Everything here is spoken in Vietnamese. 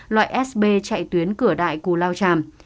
loại sb chạy tuyến cửa đại cù lao tràm